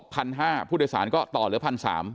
ผู้โดยสารก็ต่อเหลือ๑๓๐๐